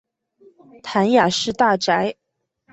谭雅士大宅。